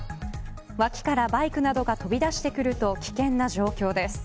脇からバイクなどが飛び出してくると危険な状況です。